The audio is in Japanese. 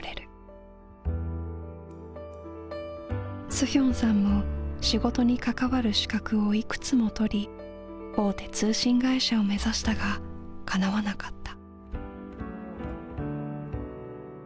スヒョンさんも仕事に関わる資格をいくつも取り大手通信会社を目指したがかなわなかった。